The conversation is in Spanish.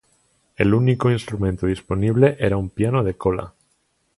El único instrumento disponible era un piano de cola.